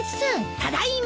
ただいま。